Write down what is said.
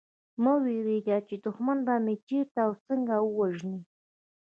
مه وېرېږی چي دښمن به مي چېرته او څنګه ووژني